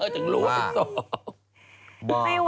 จังหลวง